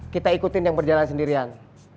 kita ikutin yang berjalan sendirian